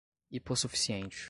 hipossuficiente